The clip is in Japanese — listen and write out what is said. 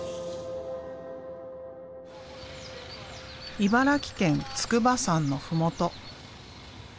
茨城県筑波山の麓。